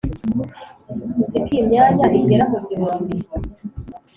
uziko iyi myanya igera mu gihumbi